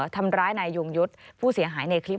ทำร้ายนายยงยุทธ์ผู้เสียหายในคลิป